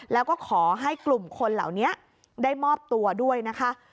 แล้วก็ขอให้กลุ่มคนเหล่านี้ได้มอบตัวด้วยนะคะ